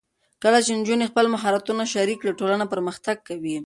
کله چې نجونې خپل مهارتونه شریک کړي، ټولنه پرمختګ کوي.